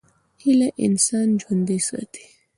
هیله انسان ژوندی ساتي.